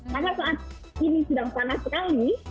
karena saat ini sedang panas sekali